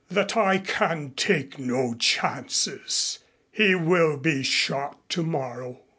"That I can take no chances. He will be shot tomorrow."